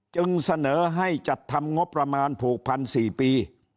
จึงเสนอให้จัดทำงบประมาณผูกพัน๔ปี